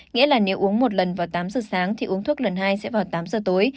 nghĩa là nếu uống một lần vào tám giờ sáng thì uống thuốc lần hai sẽ vào tám giờ tối